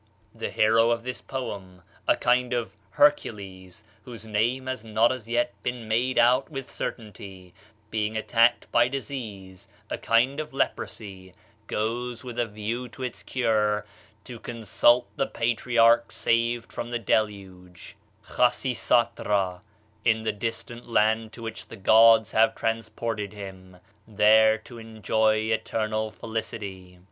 The hero of this poem, a kind of Hercules, whose name has not as yet been made out with certainty, being attacked by disease (a kind of leprosy), goes, with a view to its cure, to consult the patriarch saved from the Deluge, Khasisatra, in the distant land to which the gods have transported him, there to enjoy eternal felicity.